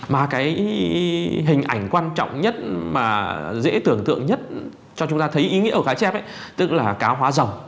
mà cái hình ảnh quan trọng nhất mà dễ tưởng tượng nhất cho chúng ta thấy ý nghĩa ở cá chép ấy tức là cá hóa dòng